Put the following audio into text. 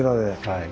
はい。